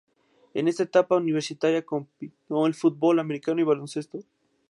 En su etapa universitaria compaginó fútbol americano y baloncesto.